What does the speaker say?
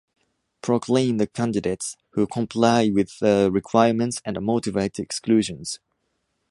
Proclaim the candidates who comply with the requirements and motivate the exclusions.